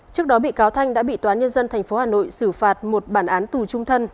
trước đó bị cáo thanh đã bị toán nhân dân tp hà nội xử phạt một bản án tù trung thân